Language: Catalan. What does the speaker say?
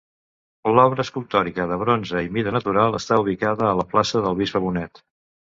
L'obra escultòrica de bronze i mida natural està ubicada a la plaça del bisbe Bonet.